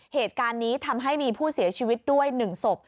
เหตุการณ์นี้ทำให้มีผู้เสียชีวิตด้วย๑ศพ